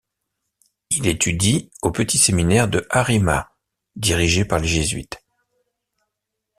Il étudie au petit séminaire de Harima, dirigé par les Jésuites.